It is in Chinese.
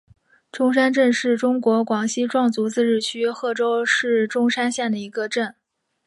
钟山镇是中国广西壮族自治区贺州市钟山县的一个镇。